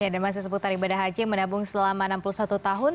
dan masih seputar ibadah haji menabung selama enam puluh satu tahun